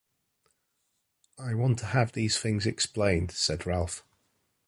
“I want to have these things explained,” said Ralph.